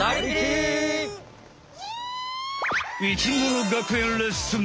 生きもの学園レッスン。